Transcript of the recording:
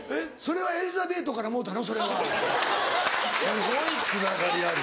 すごいつながりある。